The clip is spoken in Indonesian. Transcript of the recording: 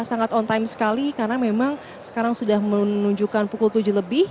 sangat on time sekali karena memang sekarang sudah menunjukkan pukul tujuh lebih